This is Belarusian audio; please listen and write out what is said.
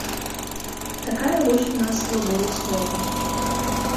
Такая вось у нас свабода слова.